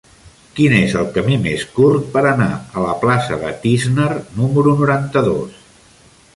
Quin és el camí més curt per anar a la plaça de Tísner número noranta-dos?